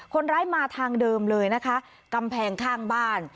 คนร้ายมาทางเดิมเลยนะคะกำแพงข้างบ้าน